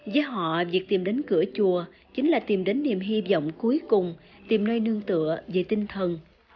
với họ việc tìm đến cửa chùa chính là tìm đến niềm hy vọng cuối cùng tìm nơi nương tựa về tinh thần